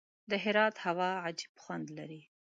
د هرات هوا عجیب خوند لري.